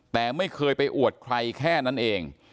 แต่ไม่เคยไปอวดใครแค่นั้นเอง